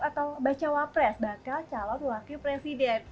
atau bacawapres bakal calon wakil presiden